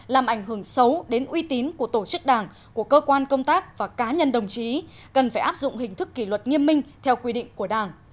làm ảnh hưởng xấu đến uy tín của tổ chức đảng của cơ quan công tác và cá nhân đồng chí cần phải áp dụng hình thức kỷ luật nghiêm minh theo quy định của đảng